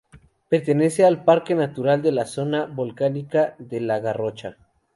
Pertenece al Parque Natural de la Zona Volcánica de la Garrocha.